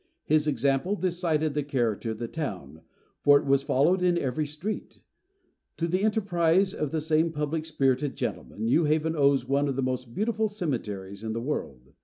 His example decided the character of the town, for it was followed in every street. To the enterprise of the same public spirited gentleman, New Haven owes one of the most beautiful cemeteries in the world.